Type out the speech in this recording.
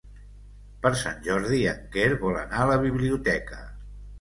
Per Sant Jordi en Quel vol anar a la biblioteca.